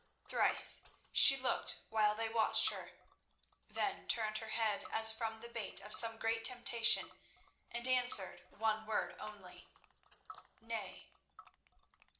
Thrice she looked while they watched her, then turned her head as from the bait of some great temptation and answered one word only—"Nay."